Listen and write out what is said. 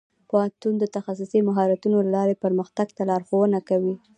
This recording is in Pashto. پوهنتون د تخصصي مهارتونو له لارې پرمختګ ته لارښوونه کوي.